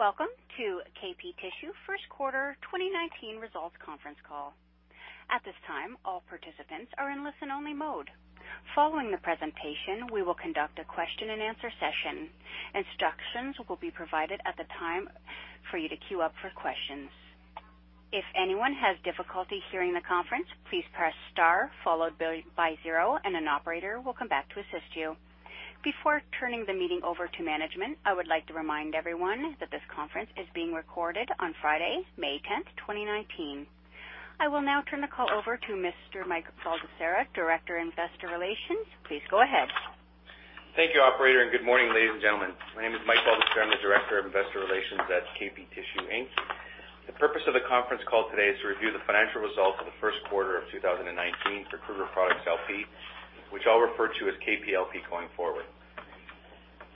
Welcome to KP Tissue First Quarter 2019 Results Conference Call. At this time, all participants are in listen-only mode. Following the presentation, we will conduct a question-and-answer session. Instructions will be provided at the time for you to queue up for questions. If anyone has difficulty hearing the conference, please press star followed by zero, and an operator will come back to assist you. Before turning the meeting over to management, I would like to remind everyone that this conference is being recorded on Friday, May 10, 2019. I will now turn the call over to Mr. Mike Baldesarra, Director, Investor Relations. Please go ahead. Thank you, operator, and good morning, ladies and gentlemen. My name is Mike Baldesarra. I'm the Director of Investor Relations at KP Tissue Inc. The purpose of the conference call today is to review the financial results of the first quarter of 2019 for Kruger Products LP, which I'll refer to as KPLP going forward.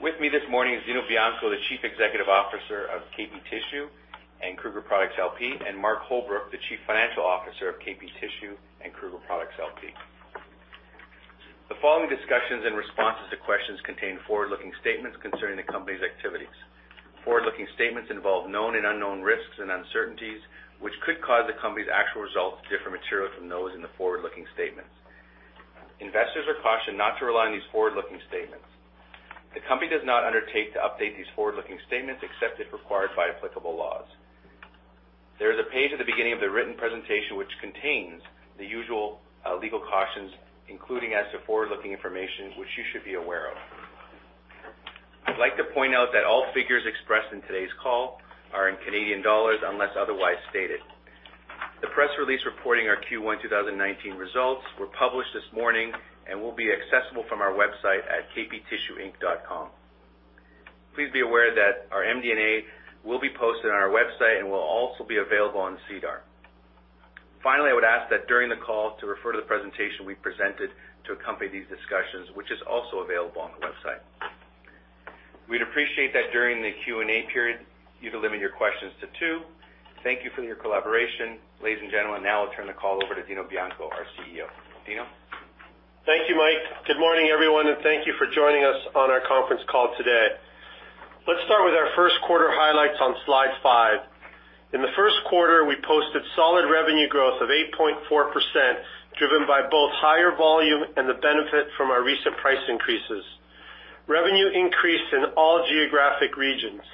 With me this morning is Dino Bianco, the Chief Executive Officer of KP Tissue and Kruger Products LP, and Mark Holbrook, the Chief Financial Officer of KP Tissue and Kruger Products LP. The following discussions and responses to questions contain forward-looking statements concerning the company's activities. Forward-looking statements involve known and unknown risks and uncertainties, which could cause the company's actual results to differ materially from those in the forward-looking statements. Investors are cautioned not to rely on these forward-looking statements. The company does not undertake to update these forward-looking statements, except if required by applicable laws. There is a page at the beginning of the written presentation, which contains the usual legal cautions, including as to forward-looking information, which you should be aware of. I'd like to point out that all figures expressed in today's call are in Canadian dollars, unless otherwise stated. The press release reporting our Q1 2019 results were published this morning and will be accessible from our website at kptissueinc.com. Please be aware that our MD&A will be posted on our website and will also be available on SEDAR. Finally, I would ask that during the call to refer to the presentation we presented to accompany these discussions, which is also available on the website. We'd appreciate that during the Q&A period, you'd limit your questions to two. Thank you for your collaboration. Ladies and gentlemen, now I'll turn the call over to Dino Bianco, our CEO. Dino? Thank you, Mike. Good morning, everyone, and thank you for joining us on our conference call today. Let's start with our first quarter highlights on slide 5. In the first quarter, we posted solid revenue growth of 8.4%, driven by both higher volume and the benefit from our recent price increases. Revenue increased in all geographic regions.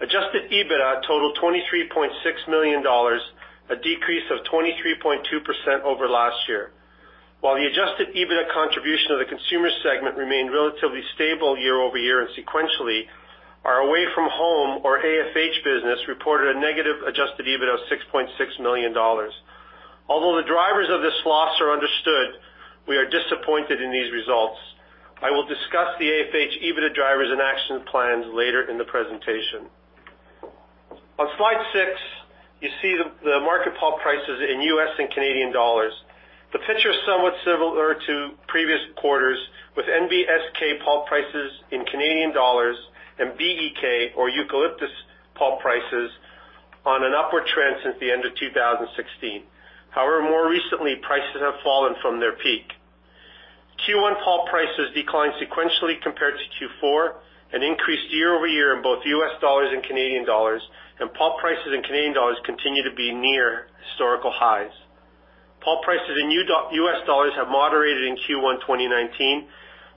Adjusted EBITDA totaled 23.6 million dollars, a decrease of 23.2% over last year. While the adjusted EBITDA contribution of the consumer segment remained relatively stable year-over-year and sequentially, our away from home or AFH business reported a negative adjusted EBITDA of 6.6 million dollars. Although the drivers of this loss are understood, we are disappointed in these results. I will discuss the AFH EBITDA drivers and action plans later in the presentation. On slide six, you see the market pulp prices in US and Canadian dollars. The picture is somewhat similar to previous quarters, with NBSK pulp prices in Canadian dollars and BEK or eucalyptus pulp prices on an upward trend since the end of 2016. However, more recently, prices have fallen from their peak. Q1 pulp prices declined sequentially compared to Q4 and increased year-over-year in both US dollars and Canadian dollars, and pulp prices in Canadian dollars continue to be near historical highs. Pulp prices in US dollars have moderated in Q1 2019,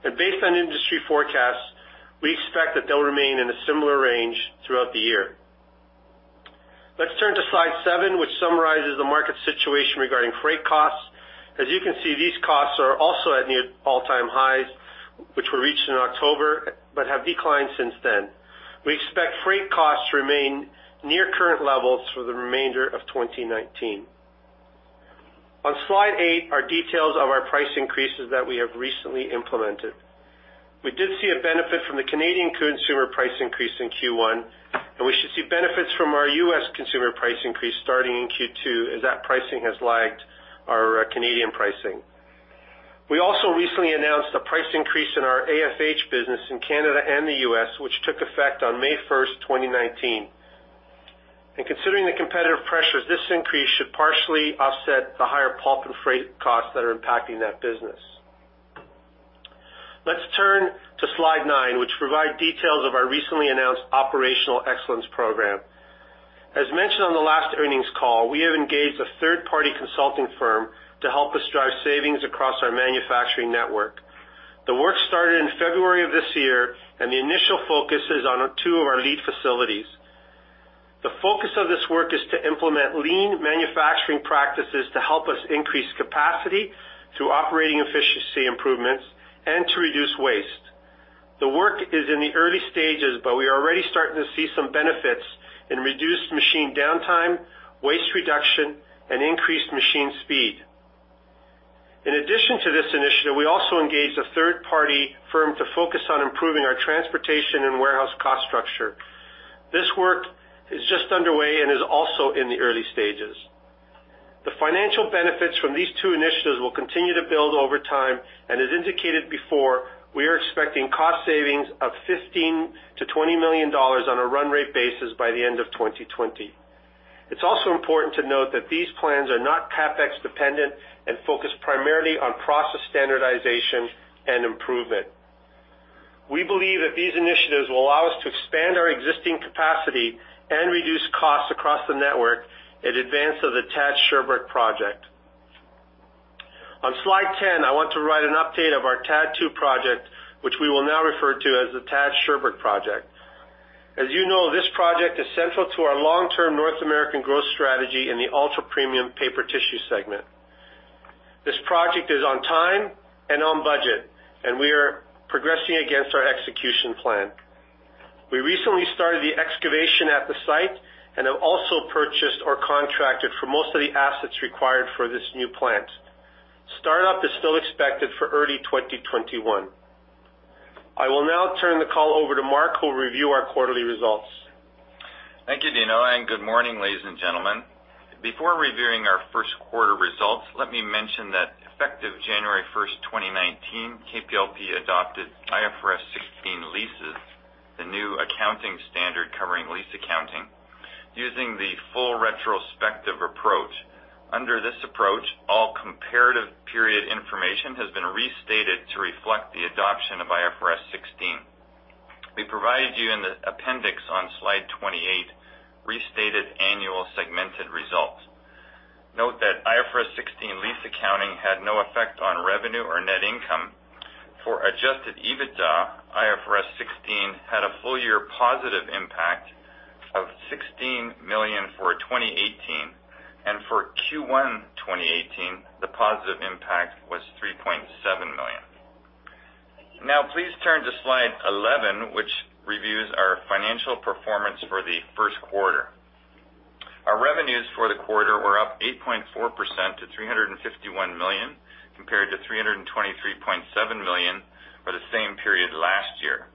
and based on industry forecasts, we expect that they'll remain in a similar range throughout the year. Let's turn to slide seven, which summarizes the market situation regarding freight costs. As you can see, these costs are also at near all-time highs, which were reached in October, but have declined since then. We expect freight costs to remain near current levels for the remainder of 2019. On slide 8 are details of our price increases that we have recently implemented. We did see a benefit from the Canadian consumer price increase in Q1, and we should see benefits from our US consumer price increase starting in Q2, as that pricing has lagged our Canadian pricing. We also recently announced a price increase in our AFH business in Canada and the US, which took effect on May 1, 2019. And considering the competitive pressures, this increase should partially offset the higher pulp and freight costs that are impacting that business. Let's turn to slide 9, which provide details of our recently announced operational excellence program. As mentioned on the last earnings call, we have engaged a third-party consulting firm to help us drive savings across our manufacturing network. The work started in February of this year, and the initial focus is on two of our leading facilities. The focus of this work is to implement lean manufacturing practices to help us increase capacity through operating efficiency improvements and to reduce waste. The work is in the early stages, but we are already starting to see some benefits in reduced machine downtime, waste reduction, and increased machine speed. In addition to this initiative, we also engaged a third-party firm to focus on improving our transportation and warehouse cost structure. This work is just underway and is also in the early stages. The financial benefits from these two initiatives will continue to build over time, and as indicated before, we are expecting cost savings of 15 million-20 million dollars on a run rate basis by the end of 2020. It's also important to note that these plans are not CapEx dependent and focus primarily on process standardization and improvement. We believe that these initiatives will allow us to expand our existing capacity and reduce costs across the network in advance of the TAD Sherbrooke project. On Slide 10, I want to write an update of our TAD 2 project, which we will now refer to as the TAD Sherbrooke project. As you know, this project is central to our long-term North American growth strategy in the ultra-premium paper tissue segment. This project is on time and on budget, and we are progressing against our execution plan. We recently started the excavation at the site and have also purchased or contracted for most of the assets required for this new plant. Startup is still expected for early 2021. I will now turn the call over to Mark, who will review our quarterly results. Thank you, Dino, and good morning, ladies and gentlemen. Before reviewing our first quarter results, let me mention that effective January 1, 2019, KPLP adopted IFRS 16 leases, the new accounting standard covering lease accounting, using the full retrospective approach. Under this approach, all comparative period information has been restated to reflect the adoption of IFRS 16. We provided you in the appendix on Slide 28, restated annual segmented results. Note that IFRS 16 lease accounting had no effect on revenue or net income. For adjusted EBITDA, IFRS 16 had a full year positive impact of 16 million for 2018, and for Q1 2018, the positive impact was 3.7 million. Now, please turn to Slide 11, which reviews our financial performance for the first quarter. Our revenues for the quarter were up 8.4% to 351 million, compared to 323.7 million for the same period last year.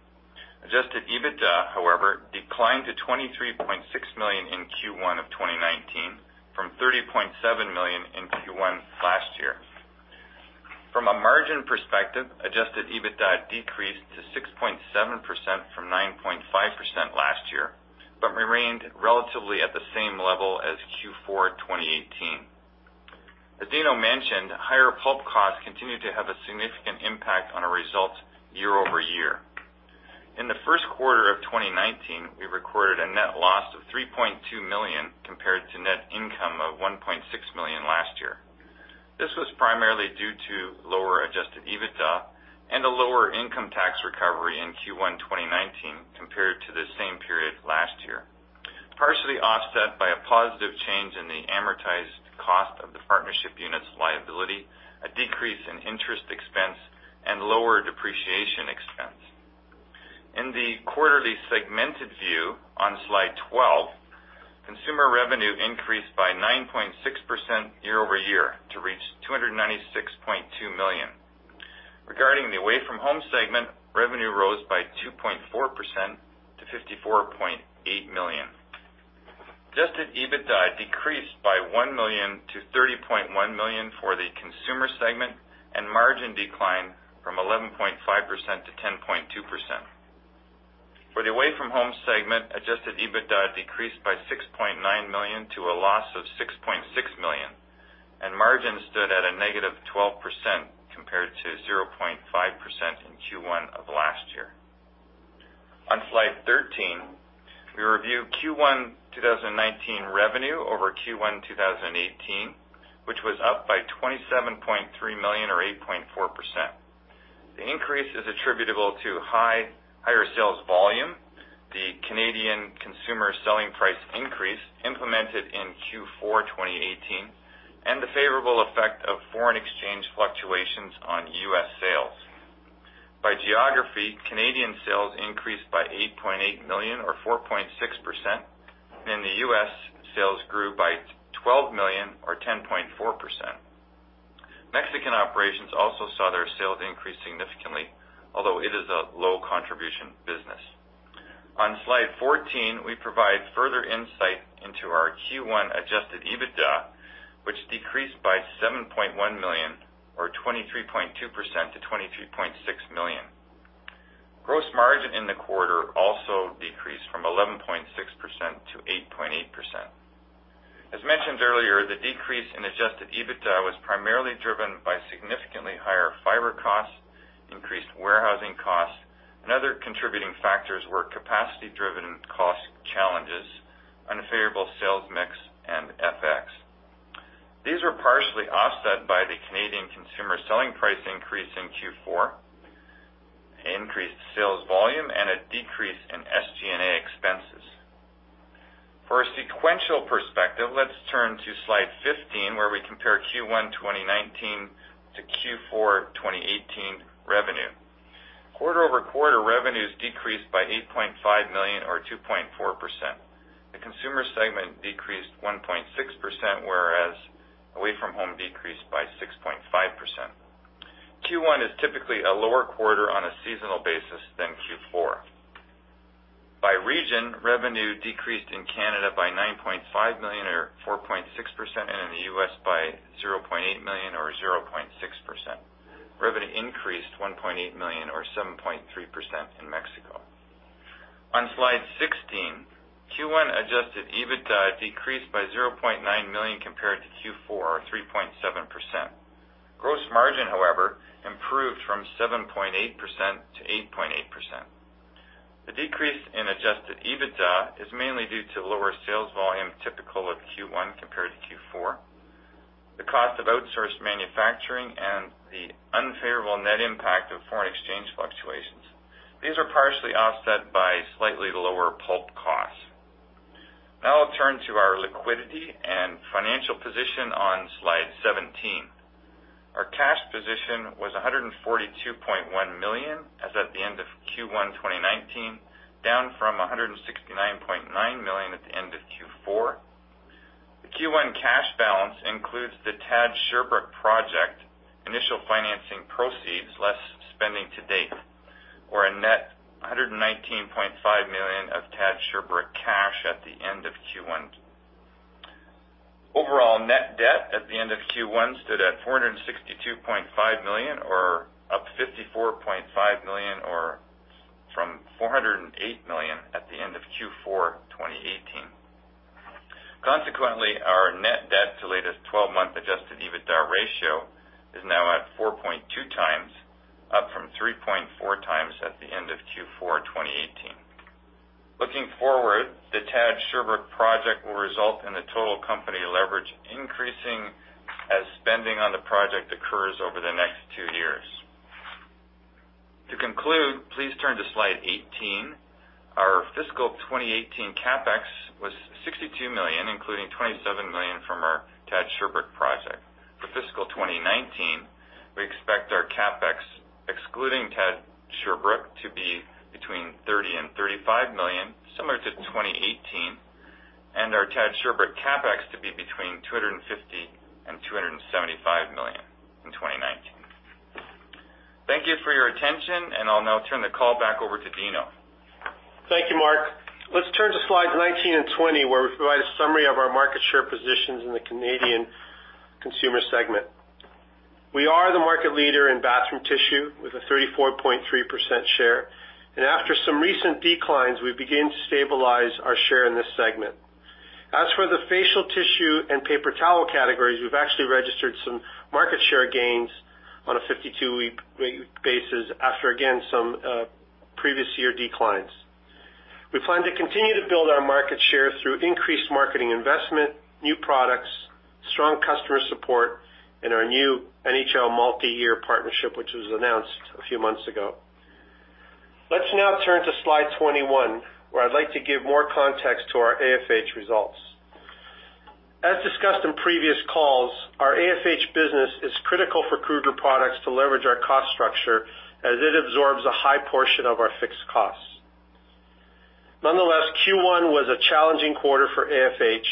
Adjusted EBITDA, however, declined to 23.6 million in Q1 of 2019, from 30.7 million in Q1 last year. From a margin perspective, adjusted EBITDA decreased to 6.7% from 9.5% last year, but remained relatively at the same level as Q4 2018. As Dino mentioned, higher pulp costs continued to have a significant impact on our results year-over-year. In the first quarter of 2019, we recorded a net loss of 3.2 million, compared to net income of 1.6 million last year. This was primarily due to lower Adjusted EBITDA and a lower income tax recovery in Q1 2019, compared to the same period last year, partially offset by a positive change in the amortized cost of the partnership units liability, a decrease in interest expense and lower depreciation expense. In the quarterly segmented view on Slide 12, Consumer revenue increased by 9.6% year-over-year to reach 296.2 million. Regarding the Away From Home segment, revenue rose by 2.4% to 54.8 million. Adjusted EBITDA decreased by 1 million to 30.1 million for the Consumer segment, and margin declined from 11.5% to 10.2%. For the away from home segment, Adjusted EBITDA decreased by 6.9 million to a loss of 6.6 million, and margin stood at -12%, compared to 0.5% in Q1 of last year. On Slide 13, we review Q1 2019 revenue over Q1 2018, which was up by 27.3 million or 8.4%. The increase is attributable to higher sales volume, the Canadian consumer selling price increase implemented in Q4 2018, and the favorable effect of foreign exchange fluctuations on US sales. By geography, Canadian sales increased by 8.8 million or 4.6%, and in the US, sales grew by 12 million or 10.4%. Mexican operations also saw their sales increase significantly, although it is a low contribution business. On Slide 14, we provide further insight into our Q1 adjusted EBITDA, which decreased by 7.1 million or 23.2% to 23.6 million. Gross margin in the quarter also decreased from 11.6% to 8.8%. As mentioned earlier, the decrease in adjusted EBITDA was primarily driven by significantly higher fiber costs, increased warehousing costs, and other contributing factors were capacity-driven cost challenges, unfavorable sales mix, and FX. These were partially offset by the Canadian consumer selling price increase in Q4, increased sales volume, and a decrease in SG&A expenses. For a sequential perspective, let's turn to Slide 15, where we compare Q1 2019 to Q4 2018 revenue. Quarter-over-quarter, revenues decreased by 8.5 million or 2.4%. The consumer segment decreased 1.6%, whereas away from home decreased by 6.5%. Q1 is typically a lower quarter on a seasonal basis than Q4. By region, revenue decreased in Canada by 9.5 million or 4.6%. The US by 0.8 million or 0.6%. Revenue increased 1.8 million or 7.3% in Mexico. On slide 16, Q1 adjusted EBITDA decreased by 0.9 million compared to Q4 or 3.7%. Gross margin, however, improved from 7.8% to 8.8%. The decrease in adjusted EBITDA is mainly due to lower sales volume, typical of Q1 compared to Q4, the cost of outsourced manufacturing, and the unfavorable net impact of foreign exchange fluctuations. These are partially offset by slightly lower pulp costs. Now I'll turn to our liquidity and financial position on slide 17. Our cash position was 142.1 million as at the end of Q1 2019, down from 169.9 million at the end of Q4. The Q1 cash balance includes the TAD Sherbrooke project, initial financing proceeds, less spending to date, or a net a 119.5 million of TAD Sherbrooke cash at the end of Q1. Overall, net debt at the end of Q1 stood at 462.5 million, or up 54.5 million, or from 408 million at the end of Q4 2018. Consequently, our net debt to latest 12 month Adjusted EBITDA ratio is now at 4.2 times, up from 3.4 times at the end of Q4 2018. Looking forward, the TAD Sherbrooke project will result in the total company leverage increasing as spending on the project occurs over the next 2 years. To conclude, please turn to slide 18. Our fiscal 2018 CapEx was CAD 62 million, including CAD 27 million from our TAD Sherbrooke project. For fiscal 2019, we expect our CapEx, excluding TAD Sherbrooke, to be between 30 million and 35 million, similar to 2018, and our TAD Sherbrooke CapEx to be between 250 million and 275 million in 2019. Thank you for your attention, and I'll now turn the call back over to Dino. Thank you, Mark. Let's turn to slides 19 and 20, where we provide a summary of our market share positions in the Canadian consumer segment. We are the market leader in bathroom tissue with a 34.3% share, and after some recent declines, we begin to stabilize our share in this segment. As for the facial tissue and paper towel categories, we've actually registered some market share gains on a 52-week basis after, again, some previous year declines. We plan to continue to build our market share through increased marketing investment, new products, strong customer support, and our new NHL multi-year partnership, which was announced a few months ago. Let's now turn to slide 21, where I'd like to give more context to our AFH results. As discussed in previous calls, our AFH business is critical for Kruger Products to leverage our cost structure as it absorbs a high portion of our fixed costs. Nonetheless, Q1 was a challenging quarter for AFH,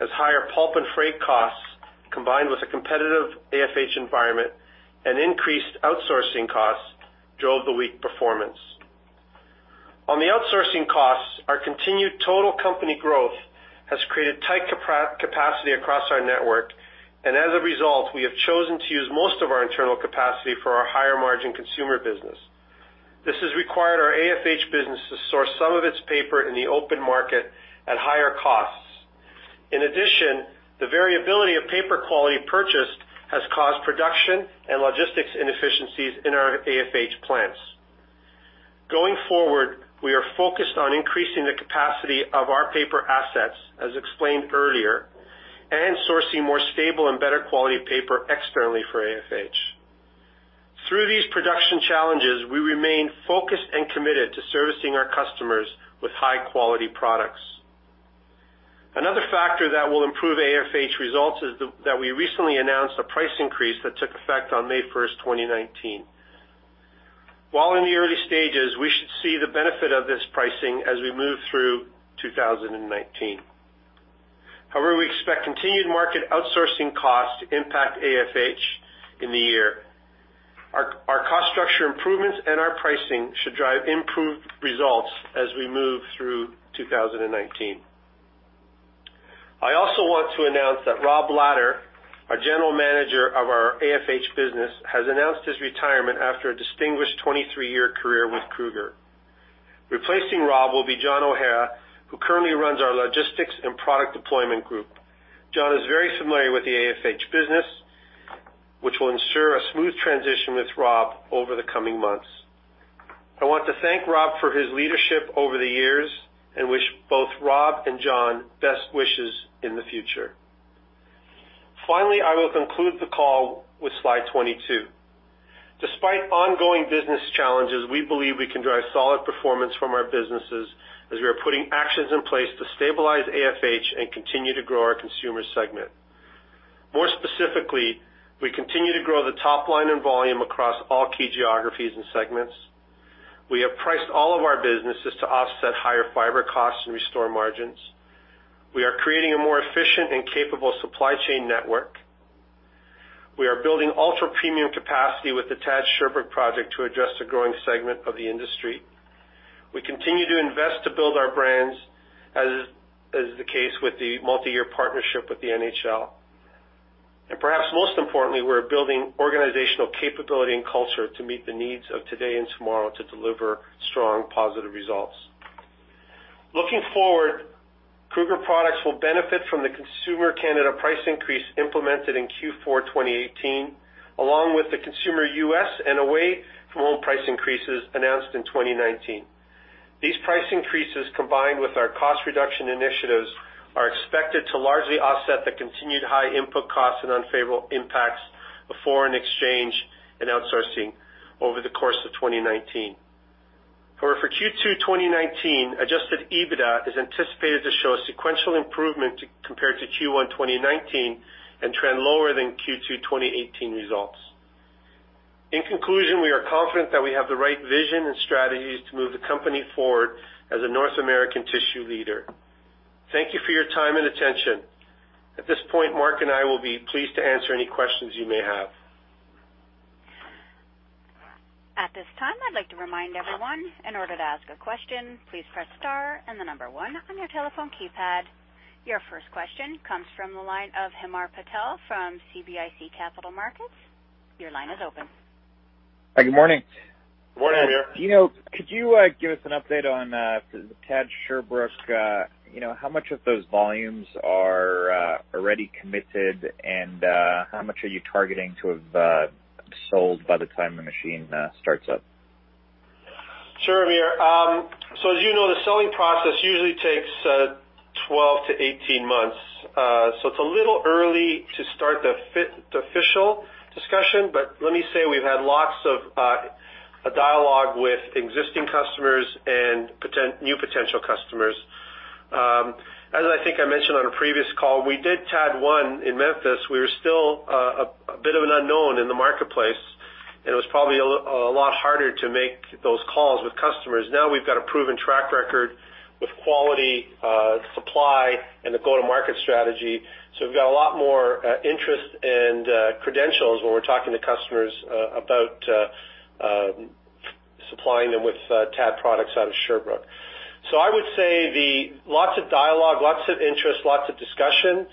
as higher pulp and freight costs, combined with a competitive AFH environment and increased outsourcing costs, drove the weak performance. On the outsourcing costs, our continued total company growth has created tight capacity across our network, and as a result, we have chosen to use most of our internal capacity for our higher margin consumer business. This has required our AFH business to source some of its paper in the open market at higher costs. In addition, the variability of paper quality purchased has caused production and logistics inefficiencies in our AFH plants. Going forward, we are focused on increasing the capacity of our paper assets, as explained earlier, and sourcing more stable and better quality paper externally for AFH. Through these production challenges, we remain focused and committed to servicing our customers with high-quality products. Another factor that will improve AFH results is that we recently announced a price increase that took effect on May 1, 2019. While in the early stages, we should see the benefit of this pricing as we move through 2019. However, we expect continued market outsourcing costs to impact AFH in the year. Our cost structure improvements and our pricing should drive improved results as we move through 2019. I also want to announce that Rob Latter, our General Manager of our AFH business, has announced his retirement after a distinguished 23-year career with Kruger. Replacing Rob will be John O'Hara, who currently runs our logistics and product deployment group. John is very familiar with the AFH business, which will ensure a smooth transition with Rob over the coming months. I want to thank Rob for his leadership over the years and wish both Rob and John best wishes in the future. Finally, I will conclude the call with slide 22. Despite ongoing business challenges, we believe we can drive solid performance from our businesses as we are putting actions in place to stabilize AFH and continue to grow our consumer segment. More specifically, we continue to grow the top line and volume across all key geographies and segments. We have priced all of our businesses to offset higher fiber costs and restore margins. We are creating a more efficient and capable supply chain network... We are building ultra-premium capacity with the TAD Sherbrooke project to address the growing segment of the industry. We continue to invest to build our brands, as is the case with the multi-year partnership with the NHL. And perhaps most importantly, we're building organizational capability and culture to meet the needs of today and tomorrow to deliver strong, positive results. Looking forward, Kruger Products will benefit from the consumer Canada price increase implemented in Q4 2018, along with the consumer US and away from home price increases announced in 2019. These price increases, combined with our cost reduction initiatives, are expected to largely offset the continued high input costs and unfavorable impacts of foreign exchange and outsourcing over the course of 2019.However, for Q2 2019, Adjusted EBITDA is anticipated to show a sequential improvement compared to Q1 2019, and trend lower than Q2 2018 results. In conclusion, we are confident that we have the right vision and strategies to move the company forward as a North American tissue leader. Thank you for your time and attention. At this point, Mark and I will be pleased to answer any questions you may have. At this time, I'd like to remind everyone, in order to ask a question, please press star and the number one on your telephone keypad. Your first question comes from the line of Hamir Patel from CIBC Capital Markets. Your line is open. Hi, good morning. Good morning, Hamir. Dino, could you give us an update on the TAD Sherbrooke? You know, how much of those volumes are already committed, and how much are you targeting to have sold by the time the machine starts up? Sure, Hamir. So as you know, the selling process usually takes 12 to 18 months. So it's a little early to start the official discussion, but let me say, we've had lots of dialogue with existing customers and potential customers. As I think I mentioned on a previous call, we did TAD 1 in Memphis. We were still a bit of an unknown in the marketplace, and it was probably a lot harder to make those calls with customers. Now, we've got a proven track record with quality supply and the go-to-market strategy, so we've got a lot more interest and credentials when we're talking to customers about supplying them with TAD products out of Sherbrooke. So I would say the... Lots of dialogue, lots of interest, lots of discussion.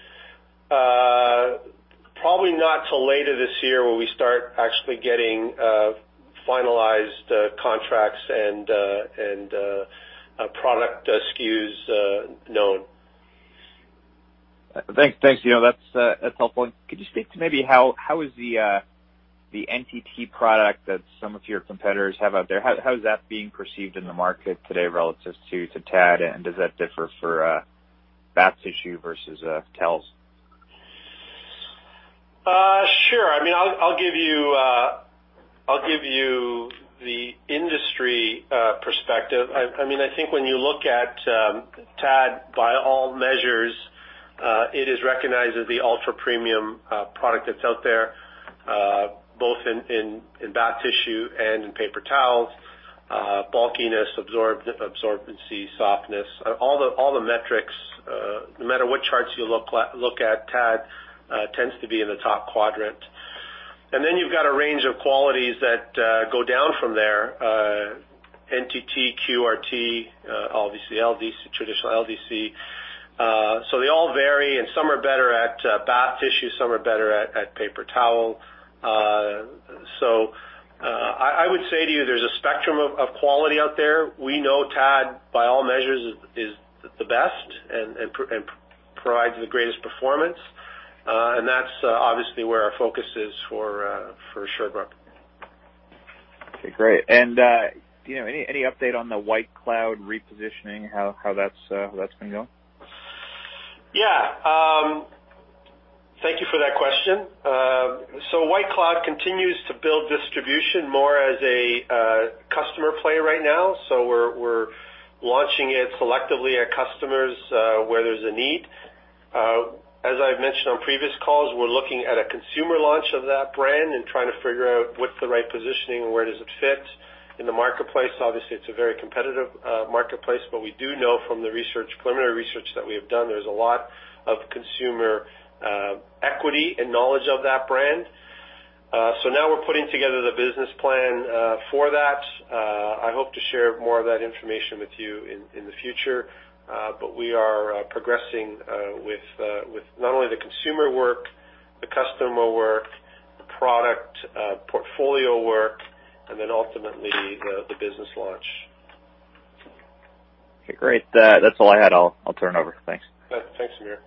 Probably not till later this year, where we start actually getting finalized contracts and product SKUs known. Thanks. Thanks, Dino. That's, that's helpful. Could you speak to maybe how, how is the, the NTT product that some of your competitors have out there? How, how is that being perceived in the market today relative to, to TAD, and does that differ for, bath tissue versus, towels? Sure. I mean, I'll give you the industry perspective. I mean, I think when you look at TAD, by all measures, it is recognized as the ultra-premium product that's out there, both in bath tissue and in paper towels. Bulkiness, absorbency, softness, all the metrics, no matter what charts you look at, TAD tends to be in the top quadrant. And then you've got a range of qualities that go down from there. NTT, QRT, obviously LDC, traditional LDC. So they all vary, and some are better at bath tissue, some are better at paper towel. So, I would say to you, there's a spectrum of quality out there. We know TAD, by all measures, is the best and provides the greatest performance, and that's obviously where our focus is for Sherbrooke. Okay, great. And, Dino, any update on the White Cloud repositioning? How that's been going? Yeah. Thank you for that question. So White Cloud continues to build distribution more as a customer play right now. So we're launching it selectively at customers where there's a need. As I've mentioned on previous calls, we're looking at a consumer launch of that brand and trying to figure out what's the right positioning and where does it fit in the marketplace. Obviously, it's a very competitive marketplace, but we do know from the research, preliminary research that we have done, there's a lot of consumer equity and knowledge of that brand. So now we're putting together the business plan for that. I hope to share more of that information with you in the future, but we are progressing with not only the consumer work, the customer work, the product portfolio work, and then ultimately, the business launch. Okay, great. That's all I had. I'll turn it over. Thanks. Thanks, Hamir.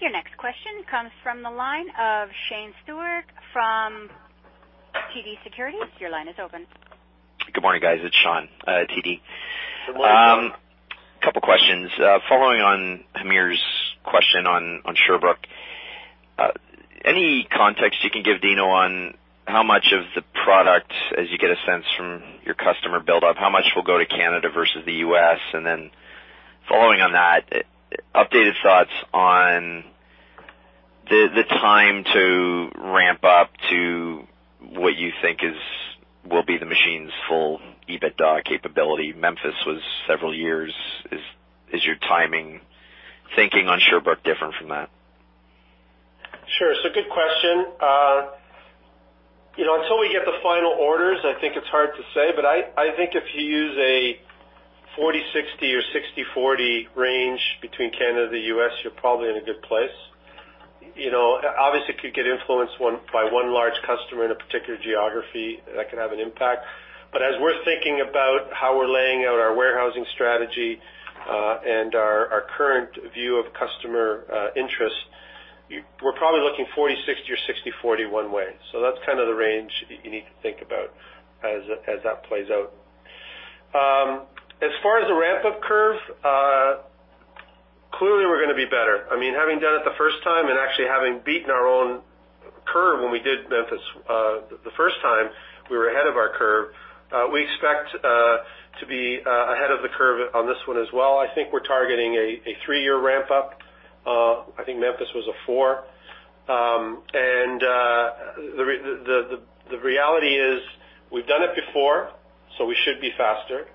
Your next question comes from the line of Sean Steuart from TD Securities. Your line is open. Good morning, guys. It's Sean, TD. Good morning. A couple questions. Following on Hamir's question on Sherbrooke, any context you can give, Dino, on how much of the product, as you get a sense from your customer build up, how much will go to Canada versus the US? And then following on that, updated thoughts on the time to what you think is, will be the machine's full EBITDA capability. Memphis was several years. Is your timing thinking on Sherbrooke different from that? Sure. It's a good question. You know, until we get the final orders, I think it's hard to say, but I think if you use a 40/60 or 60/40 range between Canada and the US, you're probably in a good place. You know, obviously, it could get influenced one by one large customer in a particular geography, that could have an impact. But as we're thinking about how we're laying out our warehousing strategy, and our current view of customer interest, we're probably looking 40/60 or 60/40 one way. So that's kind of the range you need to think about as that plays out. As far as the ramp-up curve, clearly, we're gonna be better. I mean, having done it the first time and actually having beaten our own curve when we did Memphis, the first time, we were ahead of our curve. We expect to be ahead of the curve on this one as well. I think we're targeting a 3 year ramp up. I think Memphis was a four. The reality is we've done it before, so we should be faster.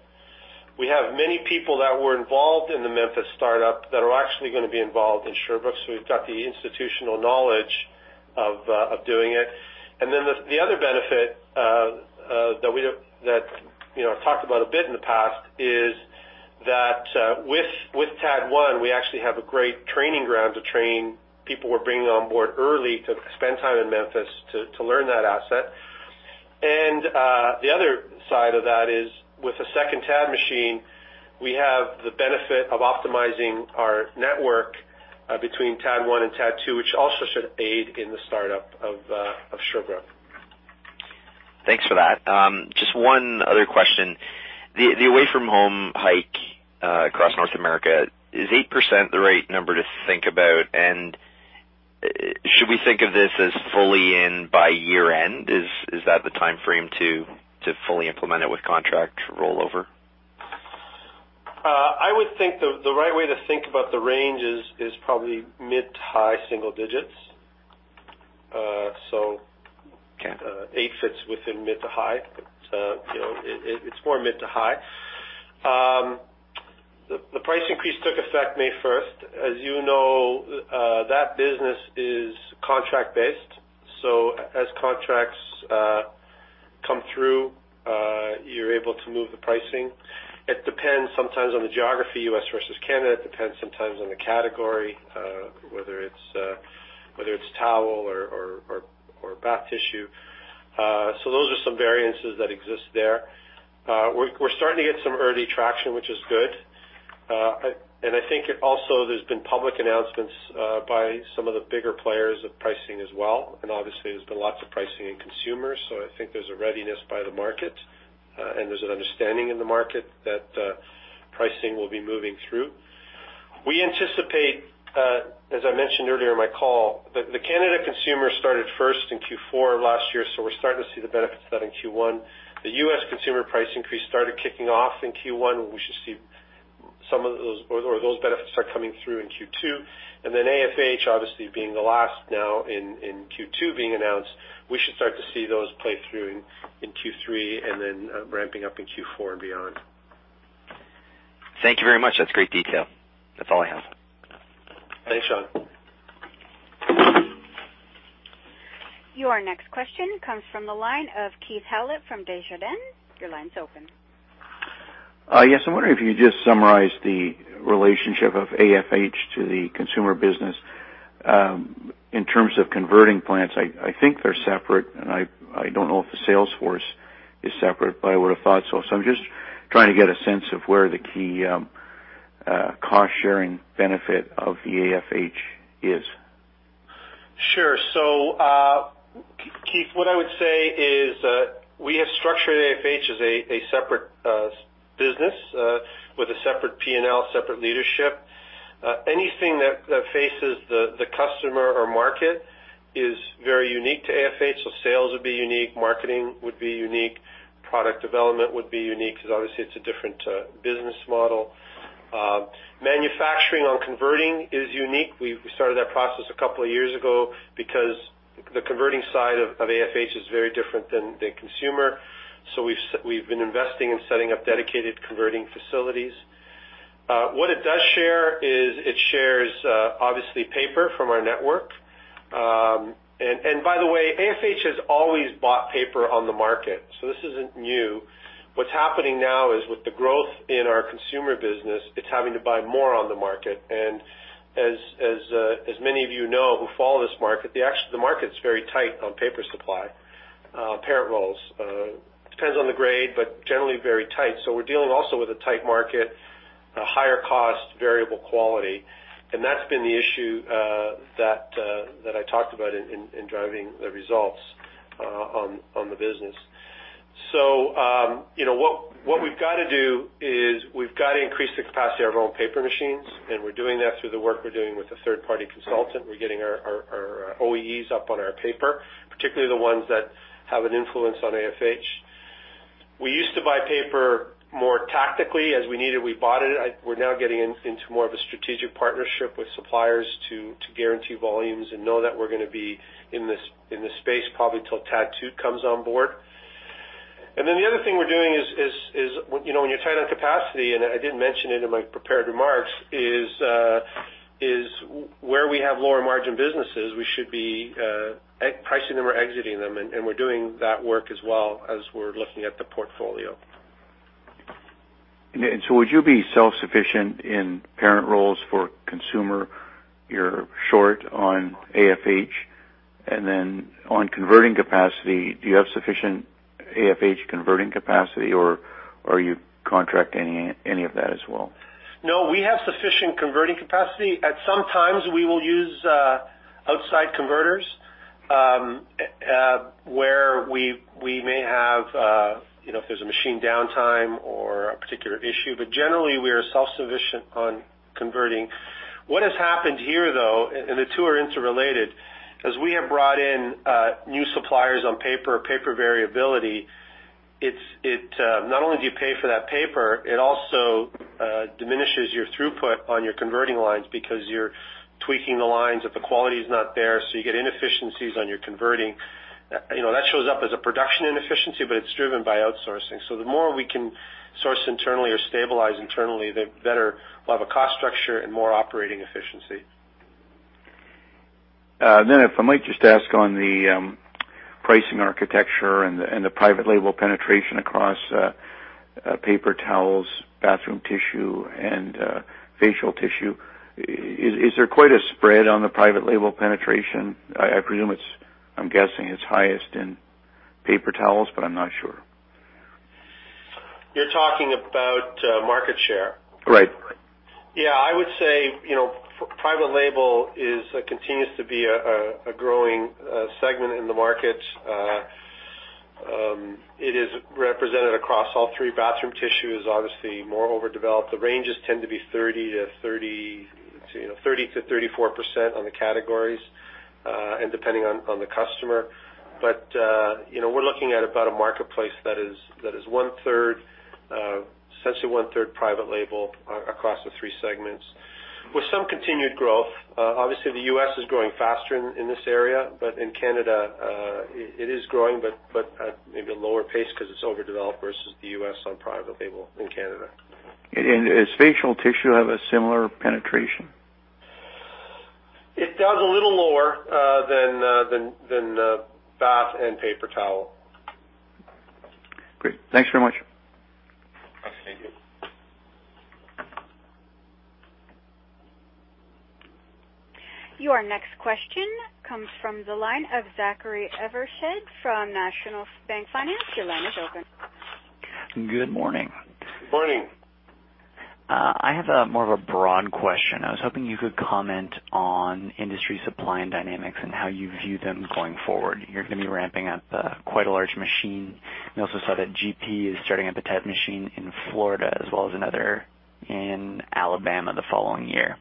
We have many people that were involved in the Memphis startup that are actually gonna be involved in Sherbrooke, so we've got the institutional knowledge of doing it. And then the other benefit, you know, I've talked about a bit in the past, is that with TAD 1, we actually have a great training ground to train people we're bringing on board early to spend time in Memphis to learn that asset. And the other side of that is, with the second TAD machine, we have the benefit of optimizing our network between TAD 1 and TAD 2, which also should aid in the startup of Sherbrooke. Thanks for that. Just one other question. The away from home hike across North America, is 8% the right number to think about? And should we think of this as fully in by year-end? Is that the timeframe to fully implement it with contract rollover? I would think the right way to think about the range is probably mid to high single digits. So- Okay. 8 fits within mid to high. But, you know, it, it's more mid to high. The price increase took effect May 1. As you know, that business is contract-based, so as contracts come through, you're able to move the pricing. It depends sometimes on the geography, US versus Canada, it depends sometimes on the category, whether it's towel or bath tissue. We're starting to get some early traction, which is good. And I think it also, there's been public announcements by some of the bigger players of pricing as well, and obviously, there's been lots of pricing in consumers. So I think there's a readiness by the market, and there's an understanding in the market that pricing will be moving through. We anticipate, as I mentioned earlier in my call, that the Canada consumer started first in Q4 last year, so we're starting to see the benefits of that in Q1. The US consumer price increase started kicking off in Q1, and we should see some of those or those benefits start coming through in Q2. And then AFH, obviously, being the last now in Q2 being announced, we should start to see those play through in Q3 and then ramping up in Q4 and beyond. Thank you very much. That's great detail. That's all I have. Thanks, Sean. Your next question comes from the line of Keith Howlett from Desjardins. Your line's open. Yes, I'm wondering if you could just summarize the relationship of AFH to the consumer business. In terms of converting plants, I think they're separate, and I don't know if the sales force is separate, but I would have thought so. So I'm just trying to get a sense of where the key cost-sharing benefit of the AFH is. Sure. So, Keith, what I would say is, we have structured AFH as a separate business with a separate P&L, separate leadership. Anything that faces the customer or market is very unique to AFH, so sales would be unique, marketing would be unique, product development would be unique, because obviously it's a different business model. Manufacturing on converting is unique. We've started that process a couple of years ago because the converting side of AFH is very different than consumer. So we've been investing in setting up dedicated converting facilities. What it does share is it shares obviously paper from our network. And, by the way, AFH has always bought paper on the market, so this isn't new. What's happening now is with the growth in our consumer business, it's having to buy more on the market. And as many of you know, who follow this market, the market's very tight on paper supply, parent rolls. Depends on the grade, but generally very tight. So we're dealing also with a tight market, a higher cost, variable quality, and that's been the issue that I talked about in driving the results on the business. So, you know, what we've got to do is we've got to increase the capacity of our own paper machines, and we're doing that through the work we're doing with a 3rd party consultant. We're getting our OEEs up on our paper, particularly the ones that have an influence on AFH. We used to buy paper more tactically. As we needed, we bought it. We're now getting into more of a strategic partnership with suppliers to guarantee volumes and know that we're gonna be in this space probably till TAD 2 comes on board. And then the other thing we're doing is, you know, when you're tight on capacity, and I didn't mention it in my prepared remarks, is where we have lower margin businesses, we should be pricing them or exiting them, and we're doing that work as well as we're looking at the portfolio. So would you be self-sufficient in parent rolls for consumer? You're short on AFH, and then on converting capacity, do you have sufficient AFH converting capacity, or are you contracting any, any of that as well? No, we have sufficient converting capacity. At some times, we will use outside converters, where we may have, you know, if there's a machine downtime or a particular issue. But generally, we are self-sufficient on converting. What has happened here, though, and the two are interrelated, as we have brought in new suppliers on paper, paper variability, it's not only do you pay for that paper, it also diminishes your throughput on your converting lines because you're tweaking the lines if the quality is not there, so you get inefficiencies on your converting. You know, that shows up as a production inefficiency, but it's driven by outsourcing. So the more we can source internally or stabilize internally, the better we'll have a cost structure and more operating efficiency. Then, if I might just ask on the pricing architecture and the private label penetration across paper towels, bathroom tissue, and facial tissue. Is there quite a spread on the private label penetration? I presume it's... I'm guessing it's highest in paper towels, but I'm not sure. You're talking about market share? Right. Yeah, I would say, you know, private label is continues to be a growing segment in the market. It is represented across all three. Bathroom tissue is obviously more overdeveloped. The ranges tend to be 30% to 34% on the categories, and depending on the customer. But, you know, we're looking at about a marketplace that is one third, essentially one third private label across the three segments. With some continued growth, obviously, the US is growing faster in this area, but in Canada, it is growing, but at maybe a lower pace because it's overdeveloped versus the US on private label in Canada. Does facial tissue have a similar penetration? It does a little lower than bath and paper towel. Great. Thanks very much. Thank you. Your next question comes from the line of Zachary Evershed from National Bank Financial. Your line is open. Good morning. Morning. I have a more of a broad question. I was hoping you could comment on industry supply and dynamics and how you view them going forward. You're gonna be ramping up quite a large machine. We also saw that GP is starting up a TAD machine in Florida, as well as another in Alabama the following year.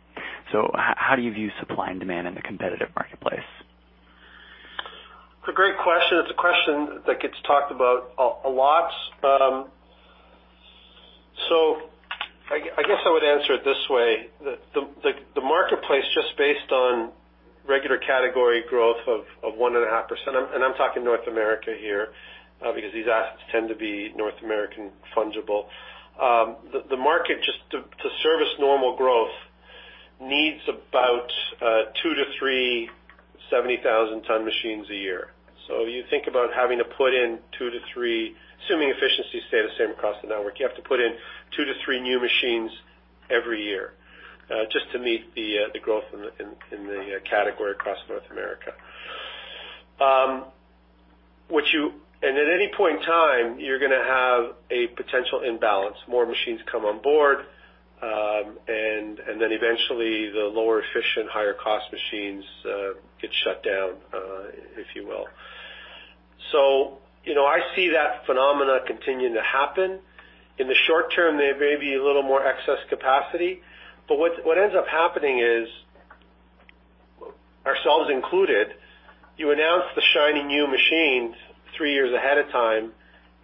So how do you view supply and demand in the competitive marketplace? It's a great question. It's a question that gets talked about a lot. So I guess, I would answer it this way: the marketplace, just based on regular category growth of 1.5%, and I'm talking North America here, because these assets tend to be North American fungible. The market, just to service normal growth, needs about 2 to 3 70,000-ton machines a year. So you think about having to put in 2 to 3, assuming efficiency stay the same across the network, you have to put in 2 to 3 new machines every year, just to meet the growth in the category across North America. And at any point in time, you're gonna have a potential imbalance, more machines come on board, and then eventually, the less efficient, higher cost machines get shut down, if you will. So, you know, I see that phenomena continuing to happen. In the short term, there may be a little more excess capacity, but what ends up happening is, ourselves included, you announce the shiny new machines three years ahead of time,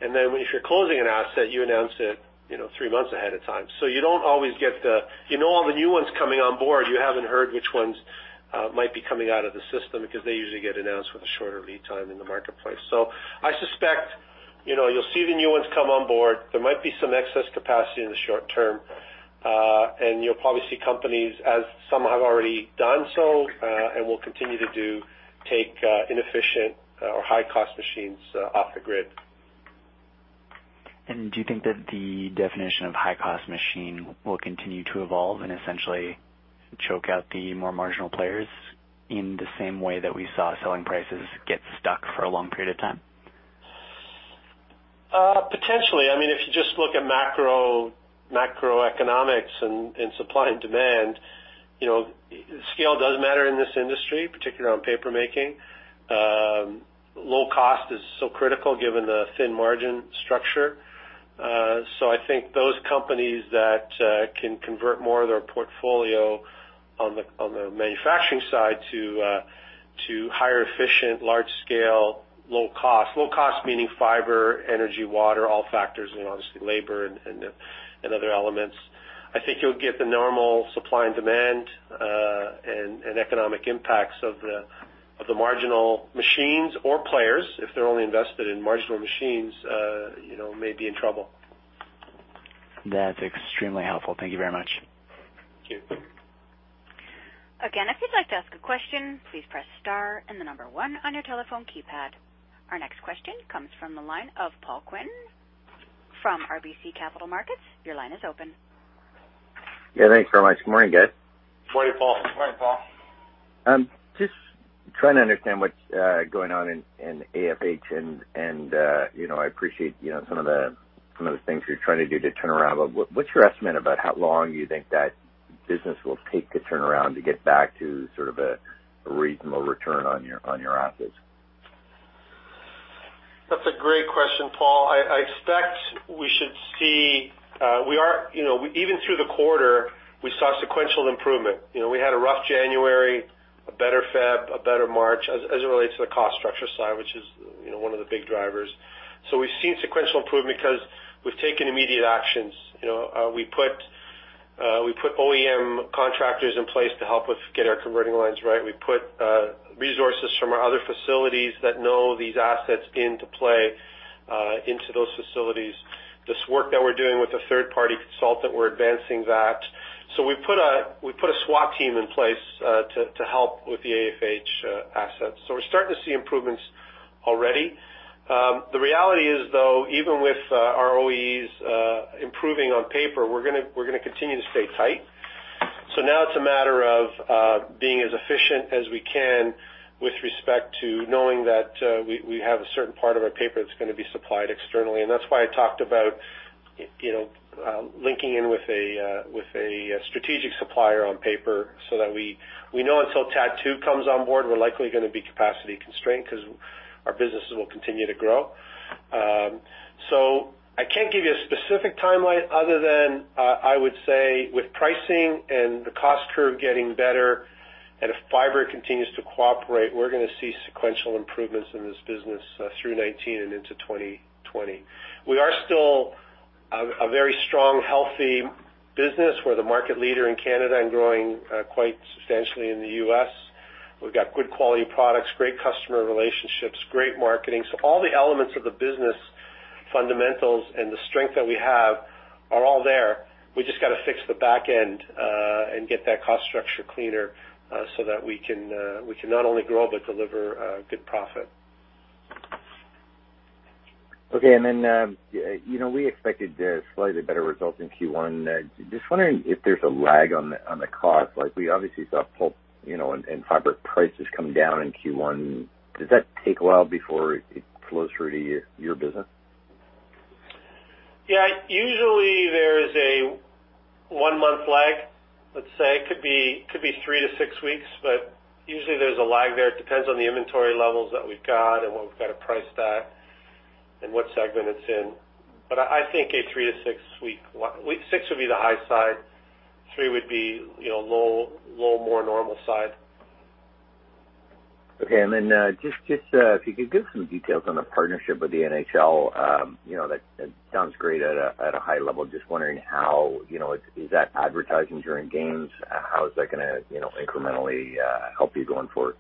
and then if you're closing an asset, you announce it, you know, three months ahead of time. So you don't always get all the new ones coming on board, you haven't heard which ones might be coming out of the system because they usually get announced with a shorter lead time in the marketplace. I suspect, you know, you'll see the new ones come on board. There might be some excess capacity in the short term, and you'll probably see companies, as some have already done so, and will continue to do, take inefficient or high-cost machines off the grid. Do you think that the definition of high-cost machine will continue to evolve and essentially choke out the more marginal players in the same way that we saw selling prices get stuck for a long period of time? Potentially. I mean, if you just look at macro, macroeconomics and supply and demand, you know, scale does matter in this industry, particularly on paper making. Low cost is so critical given the thin margin structure. So I think those companies that can convert more of their portfolio on the manufacturing side to higher efficient, large scale, low cost. Low cost meaning fiber, energy, water, all factors, and obviously labor and other elements. I think you'll get the normal supply and demand and economic impacts of the marginal machines or players, if they're only invested in marginal machines, you know, may be in trouble. That's extremely helpful. Thank you very much. Thank you. Again, if you'd like to ask a question, please press star and 1 on your telephone keypad. Our next question comes from the line of Paul Quinn from RBC Capital Markets. Your line is open. Yeah, thanks very much. Good morning, guys. Morning, Paul. Morning, Paul. Just trying to understand what's going on in AFH and you know, I appreciate, you know, some of the, some of the things you're trying to do to turn around, but what's your estimate about how long you think that business will take to turn around to get back to sort of a reasonable return on your, on your assets? That's a great question, Paul. I, I expect we should see. We are, you know, even through the quarter, we saw sequential improvement. You know, we had a rough January, a better February, a better March, as, as it relates to the cost structure side, which is, you know, one of the big drivers. So we've seen sequential improvement because we've taken immediate actions. You know, we put, we put OEM contractors in place to help with get our converting lines right. We've put, resources from our other facilities that know these assets into play, into those facilities. This work that we're doing with the third party consultant, we're advancing that. So we've put a, we've put a SWAT team in place, to, to help with the AFH, assets. So we're starting to see improvements already. The reality is, though, even with ROEs improving on paper, we're gonna continue to stay tight. So now it's a matter of being as efficient as we can with respect to knowing that we have a certain part of our paper that's gonna be supplied externally. And that's why I talked about, you know, linking in with a strategic supplier on paper so that we know until TAD2 comes on board, we're likely gonna be capacity constrained because our businesses will continue to grow. So I can't give you a specific timeline other than I would say with pricing and the cost curve getting better, and if fiber continues to cooperate, we're gonna see sequential improvements in this business through 2019 and into 2020. We are still a very strong, healthy business. We're the market leader in Canada and growing quite substantially in the US. We've got good quality products, great customer relationships, great marketing. So all the elements of the business fundamentals and the strength that we have are all there. We just got to fix the back end and get that cost structure cleaner so that we can not only grow, but deliver good profit. Okay. And then, you know, we expected a slightly better result in Q1. Just wondering if there's a lag on the cost. Like, we obviously saw pulp, you know, and fiber prices come down in Q1. Does that take a while before it flows through to your business? Yeah, usually there is a 1 month lag, let's say. It could be, could be 3 to 6 weeks, but usually there's a lag there. It depends on the inventory levels that we've got and what we've got it priced at, and what segment it's in. But I think a 3 to 6 week, six would be the high side, 3 would be, you know, low, low, more normal side. Okay. And then, just, just, if you could give some details on the partnership with the NHL. You know, that sounds great at a, at a high level. Just wondering how, you know, is that advertising during games? How is that gonna, you know, incrementally, help you going forward?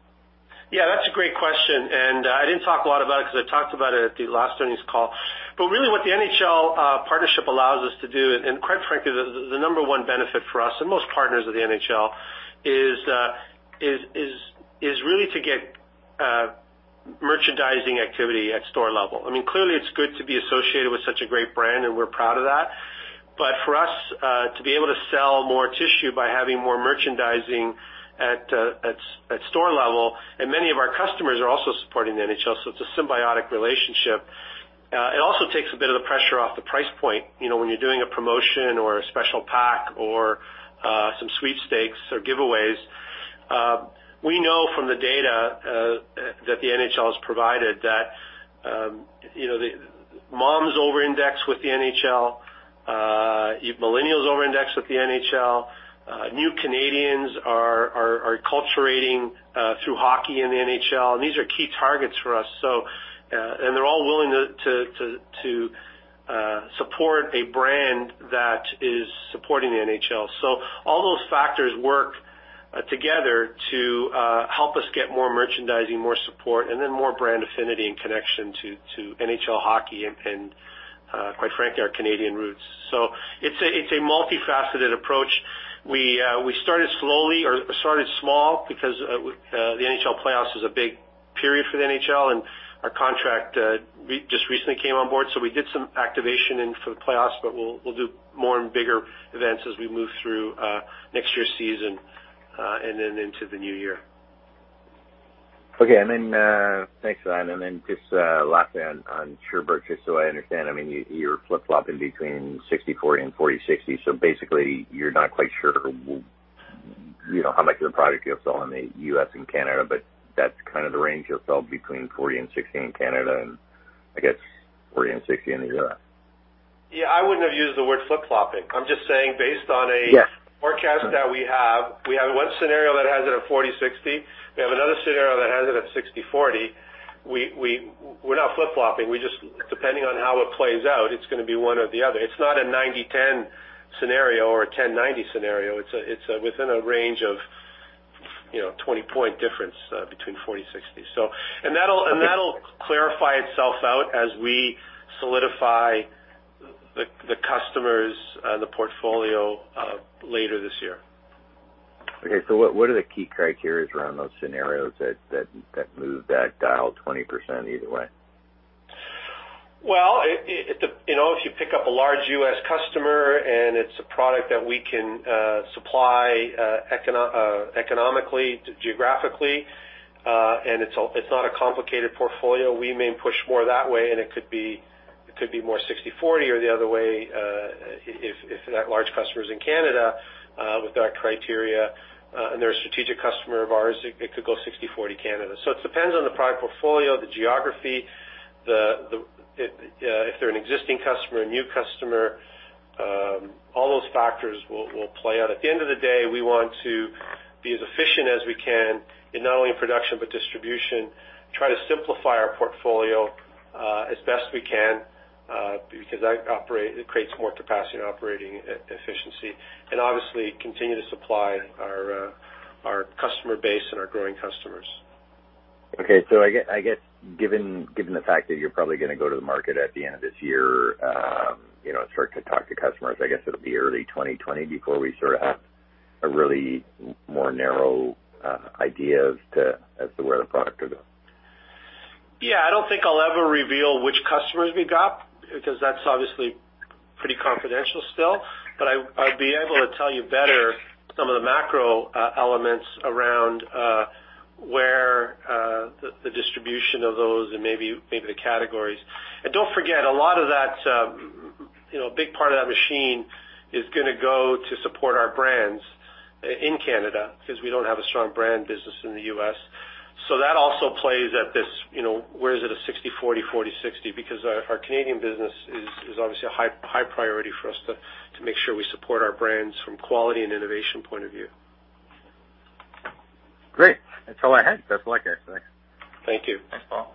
Yeah, that's a great question, and I didn't talk a lot about it because I talked about it at the last earnings call. But really, what the NHL partnership allows us to do, and quite frankly, the number one benefit for us and most partners of the NHL, is really to get merchandising activity at store level. I mean, clearly, it's good to be associated with such a great brand, and we're proud of that. But for us, to be able to sell more tissue by having more merchandising at store level, and many of our customers are also supporting the NHL, so it's a symbiotic relationship. It also takes a bit of the pressure off the price point. You know, when you're doing a promotion or a special pack or some sweepstakes or giveaways, we know from the data that the NHL has provided that, you know, the moms overindex with the NHL, millennials overindex with the NHL, new Canadians are acculturating through hockey in the NHL, and these are key targets for us. So, and they're all willing to support a brand that is supporting the NHL. So all those factors work together to help us get more merchandising, more support, and then more brand affinity and connection to NHL hockey and, quite frankly, our Canadian roots. So it's a multifaceted approach. We, we started slowly or started small because, the NHL playoffs was a big period for the NHL, and our contract, just recently came on board, so we did some activation in for the playoffs, but we'll, we'll do more and bigger events as we move through, next year's season, and then into the new year. Okay. And then, thanks for that. And then just, last on Sherbrooke, just so I understand, I mean, you, you're flip-flopping between 60/40 and 40/60. So basically, you're not quite sure, you know, how much of the product you're selling in the US and Canada, but that's kind of the range you'll sell between 40 and 60 in Canada, and I guess 40 and 60 in the US?... Yeah, I wouldn't have used the word flip-flopping. I'm just saying based on a- Yes. forecast that we have, we have one scenario that has it at 40/60. We have another scenario that has it at 60/40. We're not flip-flopping. We just, depending on how it plays out, it's gonna be one or the other. It's not a 90/10 scenario or a 10/90 scenario. It's within a range of, you know, 20-point difference between 40/60. So, and that'll clarify itself out as we solidify the customers and the portfolio later this year. Okay, so what are the key criteria around those scenarios that move that dial 20% either way? Well, you know, if you pick up a large US customer, and it's a product that we can supply economically, geographically, and it's not a complicated portfolio, we may push more that way, and it could be more 60/40 or the other way, if that large customer is in Canada, we've got criteria, and they're a strategic customer of ours, it could go 60/40 Canada. So it depends on the product portfolio, the geography, the if they're an existing customer, a new customer, all those factors will play out. At the end of the day, we want to be as efficient as we can in not only production, but distribution. Try to simplify our portfolio as best we can, because it creates more capacity and operating efficiency, and obviously continue to supply our customer base and our growing customers. Okay, so I get, I guess, given the fact that you're probably gonna go to the market at the end of this year, you know, start to talk to customers, I guess it'll be early 2020 before we sort of have a really more narrow idea as to where the product could go. Yeah, I don't think I'll ever reveal which customers we got, because that's obviously pretty confidential still. But I'd be able to tell you better some of the macro elements around where the distribution of those and maybe the categories. And don't forget, a lot of that, you know, a big part of that machine is gonna go to support our brands in Canada, because we don't have a strong brand business in the US. So that also plays at this, you know, where is it a 60/40, 40/60? Because our Canadian business is obviously a high priority for us to make sure we support our brands from quality and innovation point of view. Great! That's all I had. That's all I care, thanks. Thank you. Thanks, Paul.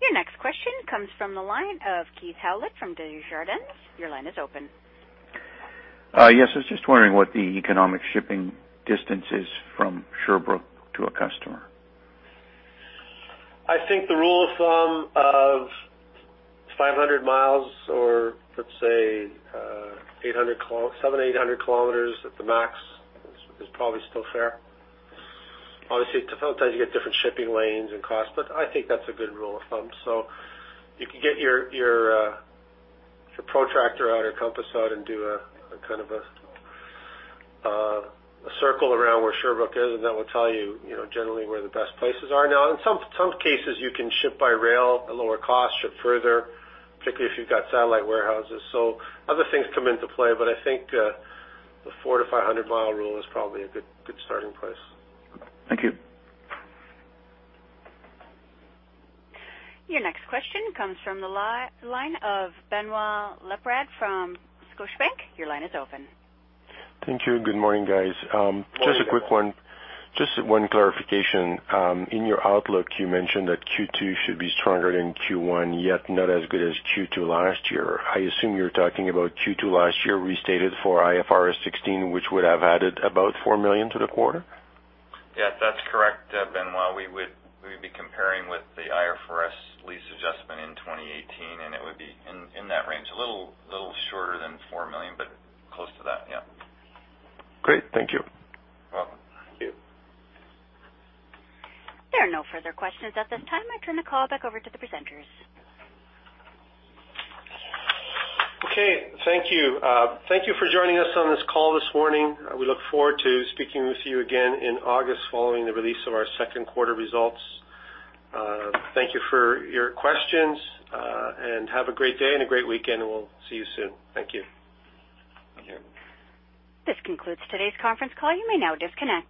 Your next question comes from the line of Keith Howlett from Desjardins. Your line is open. Yes, I was just wondering what the economic shipping distance is from Sherbrooke to a customer? I think the rule of thumb of 500 miles, or let's say, seven to 800 kilometers at the max, is probably still fair. Obviously, sometimes you get different shipping lanes and costs, but I think that's a good rule of thumb. So you can get your protractor out or compass out and do a kind of a circle around where Sherbrooke is, and that will tell you, you know, generally where the best places are. Now, in some cases, you can ship by rail at lower cost, ship further, particularly if you've got satellite warehouses. So other things come into play, but I think the 400 to 500 mile rule is probably a good starting place. Thank you. Your next question comes from the line of Benoit Laprade from Scotiabank. Your line is open. Thank you. Good morning, guys. Good morning. Just a quick one. Just one clarification. In your outlook, you mentioned that Q2 should be stronger than Q1, yet not as good as Q2 last year. I assume you're talking about Q2 last year, restated for IFRS 16, which would have added about 4 million to the quarter? Yeah, that's correct, Benoit. We would be comparing with the IFRS lease adjustment in 2018, and it would be in that range. A little shorter than 4 million, but close to that. Yeah. Great. Thank you. Welcome. Thank you. There are no further questions at this time. I turn the call back over to the presenters. Okay, thank you. Thank you for joining us on this call this morning. We look forward to speaking with you again in August following the release of our second quarter results. Thank you for your questions, and have a great day and a great weekend, and we'll see you soon. Thank you. Thank you. This concludes today's conference call. You may now disconnect.